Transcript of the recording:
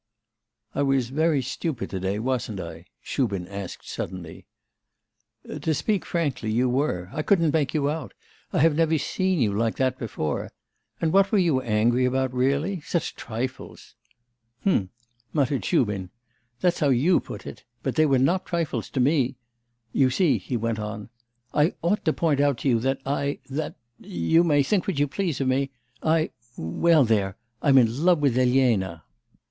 'I was very stupid to day, wasn't I?' Shubin asked suddenly. 'To speak frankly, you were. I couldn't make you out. I have never seen you like that before. And what were you angry about really? Such trifles!' 'H'm,' muttered Shubin. 'That's how you put it; but they were not trifles to me. You see,' he went on, 'I ought to point out to you that I that you may think what you please of me I well there! I'm in love with Elena.